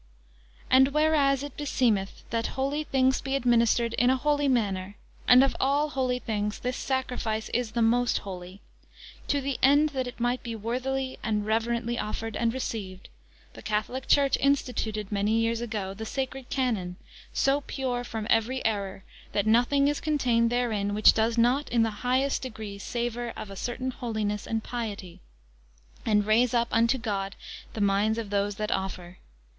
And whereas it beseemeth, that holy things be administered in a holy manner, and of all holy things this sacrifice is the most holy; to the end that it might be worthily and reverently [Page 156] offered and received, the Catholic Church instituted, many years ago, the sacred Canon, so pure from every error, that nothing is contained therein which does not in the highest degree savour of a certain holiness and piety, and raise up unto God the minds of those that offer.